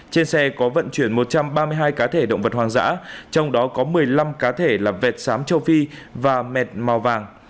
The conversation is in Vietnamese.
trên xe có vận chuyển một trăm ba mươi hai cá thể động vật hoang dã trong đó có một mươi năm cá thể là vẹt sám châu phi và mẹt màu vàng